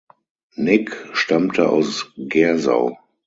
Nigg stammte aus Gersau.